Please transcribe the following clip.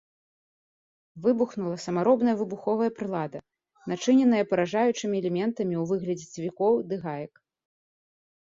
Выбухнула самаробная выбуховая прылада, начыненая паражаючымі элементамі ў выглядзе цвікоў ды гаек.